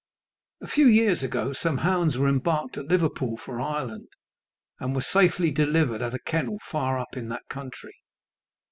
A few years ago some hounds were embarked at Liverpool for Ireland, and were safely delivered at a kennel far up in that country.